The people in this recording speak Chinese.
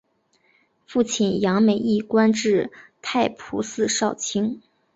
父亲杨美益官至太仆寺少卿。